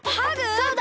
そうだ！